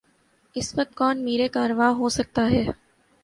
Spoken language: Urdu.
اس وقت کون میر کارواں ہو سکتا ہے؟